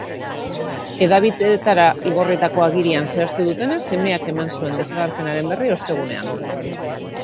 Hedabideetara igorritako agirian zehaztu dutenez, semeak eman zuen desagerpenaren berri, ostegunean.